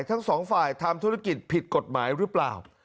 ทั้งสองฝ่ายทำธุรกิจผิดกฎหมายหรือเปล่า